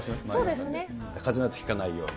かぜなどひかないように。